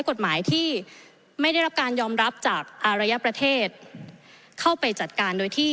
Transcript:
กฎหมายที่ไม่ได้รับการยอมรับจากอารยประเทศเข้าไปจัดการโดยที่